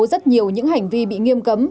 rất nhiều những hành vi bị nghiêm cấm